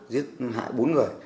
giết hại bốn người